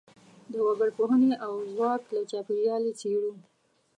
د وګړپوهنې او ژواک له چاپیریال یې څېړو.